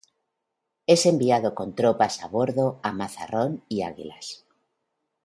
Es enviado con tropas a bordo a Mazarrón y Águilas.